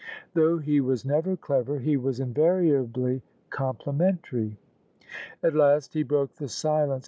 Though he was never clever, he was invariably complimentary. At last he broke the silence.